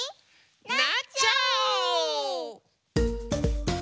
なっちゃおう！